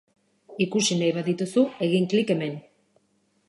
Ikusi nahi badituzu, egin klik hemen.